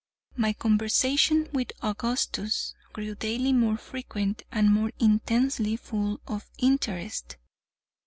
My conversations with Augustus grew daily more frequent and more intensely full of interest.